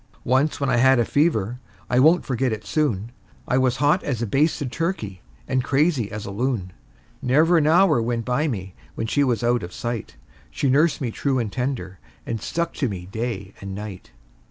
Once when I had a fever I won't forget it soon I was hot as a basted turkey and crazy as a loon; Never an hour went by me when she was out of sight She nursed me true and tender, and stuck to me day and night.